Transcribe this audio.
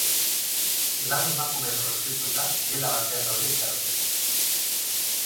Lau emakume prostituta gela batean daude itxaroten.